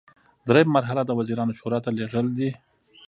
دریمه مرحله د وزیرانو شورا ته لیږل دي.